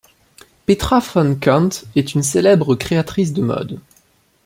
Petra Von Kant est une célèbre créatrice de mode.